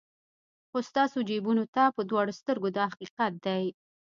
خو ستاسو جیبونو ته په دواړو سترګو دا حقیقت دی.